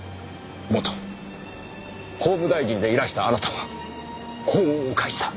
元法務大臣でいらしたあなたは法を犯した。